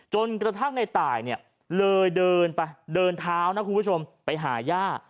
จนกระทั่งในตายเนี่ยเลยเดินไปเดินเท้านะคุณผู้ชมไปหาย่า